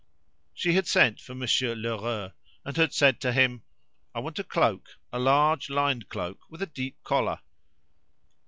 She had sent for Monsieur Lheureux, and had said to him "I want a cloak a large lined cloak with a deep collar."